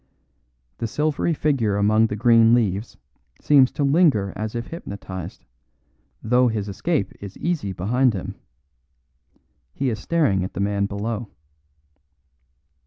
The silvery figure among the green leaves seems to linger as if hypnotised, though his escape is easy behind him; he is staring at the man below.